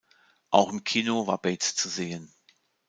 Auch im Kino war Bates zu sehen.